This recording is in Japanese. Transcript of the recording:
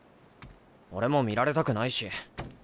俺も見られたくないし。